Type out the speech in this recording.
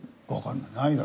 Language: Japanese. ないだろ？